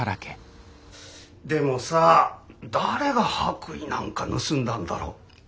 でもさ誰が白衣なんか盗んだんだろう。